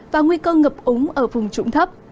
và nguy cơ ngập úng ở vùng trũng thấp